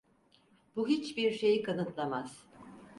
Bu hiçbir şeyi kanıtlamaz.